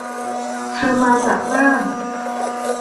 เธอมาจากน่าน